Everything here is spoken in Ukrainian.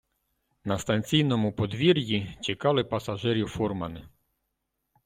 На станційному подвір'ї чекали пасажирів фурмани.